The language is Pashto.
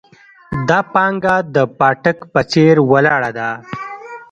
دا پانګه د پاټک په څېر ولاړه ده.